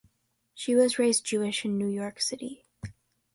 She was raised Jewish in New York City.